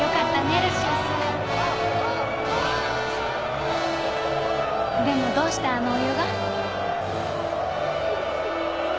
ルシウスでもどうしてあのお湯が？